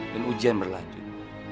dan ujian berlanjut